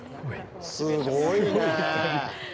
すごいね。